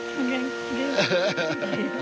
アハハハ。